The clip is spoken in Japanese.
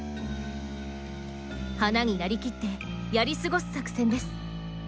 花になりきってやり過ごす作戦です。